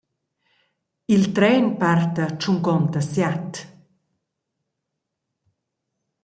Il tren parta tschuncontasiat.